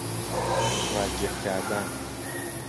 متوجه کردن